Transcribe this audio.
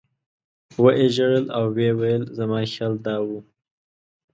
و یې ژړل او ویې ویل زما خیال دا و.